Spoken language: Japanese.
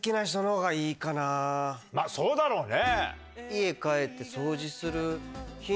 まぁそうだろうね！